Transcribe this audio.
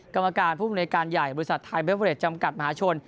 กรรมการผู้มนุยการใหญ่บริษัทไทยเบเวอเรดจำกัดมหาชน